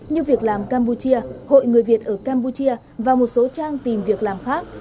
như việc làm campuchia hội người việt ở campuchia và một số trang tìm việc làm khác